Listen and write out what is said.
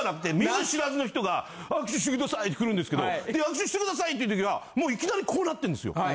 見ず知らずの人が「握手してください」って来るんですけど「握手してください」っていうときはもういきなりこうなってんですよ。